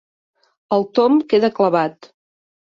El Tom queda clavat.